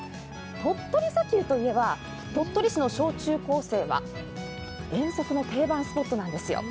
鳥取砂丘といえば鳥取市の小中高生は遠足の定番スポットなんですよ。